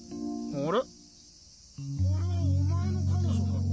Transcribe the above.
あれはお前の彼女だろ？